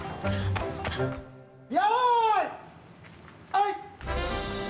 よーい、はい！